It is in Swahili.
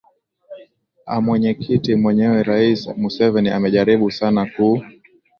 a mwenyekiti mwenyewe rais museveni amejaribu sana kuu